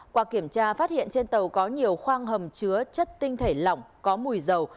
qua kiểm tra phát hiện trên tàu có nhiều khoang hầm chứa chất tinh thể lỏng có mùi dầu